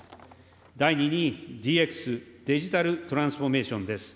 第２に、ＤＸ・デジタルトランスフォーメーションです。